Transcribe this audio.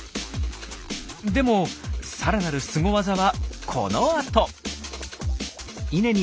でもさらなるスゴワザはこのあと。